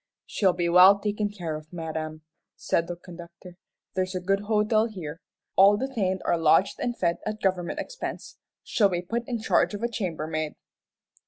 "She'll be well taken care of, madam," said the conductor. "There's a good hotel here. All detained are lodged and fed at government expense. She'll be put in charge of a chambermaid."